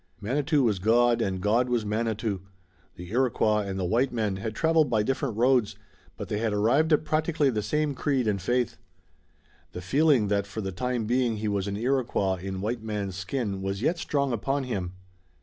Manitou was God and God was Manitou. The Iroquois and the white men had traveled by different roads, but they had arrived at practically the same creed and faith. The feeling that for the time being he was an Iroquois in a white man's skin was yet strong upon him.